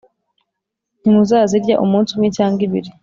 Ntimuzazirya umunsi umwe cyangwa ibiri